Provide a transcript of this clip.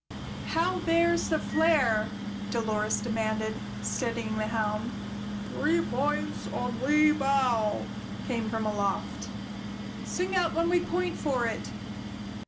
"How bears the flare?" Dolores demanded, steadying the helm. "Three points on lee bow!" came from aloft. "Sing out when we point for it!"